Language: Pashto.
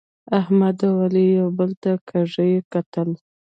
احمد او علي یو بل ته کږي کتل.